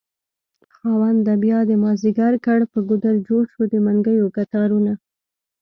خاونده بيادی مازد يګر کړ په ګودر جوړشو دمنګيو کتارونه